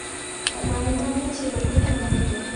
মায়ের নামে ছেলেপুলের নাম হত।